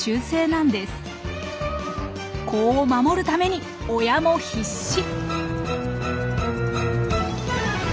子を守るために親も必死！